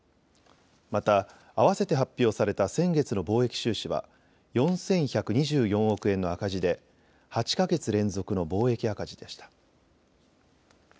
またあわせて発表された先月の貿易収支は４１２４億円の赤字で８か月連続の貿易赤字でした。